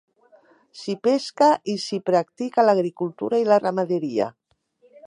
S'hi pesca i s'hi practica l'agricultura i la ramaderia.